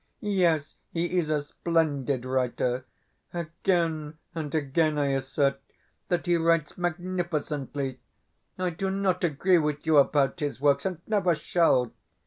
Yes, he is a splendid writer. Again and again I assert that he writes magnificently. I do not agree with you about his works, and never shall.